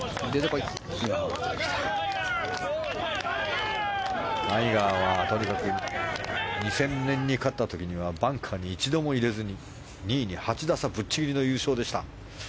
タイガーはとにかく２０００年に勝った時にはバンカーに一度も入れずに２位に８打差ぶっちぎりの優勝でした。